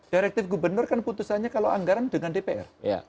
direktif gubernur kan putusannya kalau anggaran dengan dpr